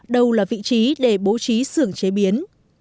đâu là vị trí để bố trí xưởng chế biến